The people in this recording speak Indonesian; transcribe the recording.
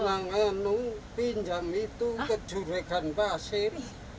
langan pinjam itu ke jurekan pasir